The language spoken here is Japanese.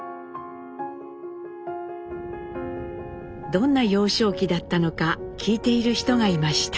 どんな幼少期だったのか聞いている人がいました。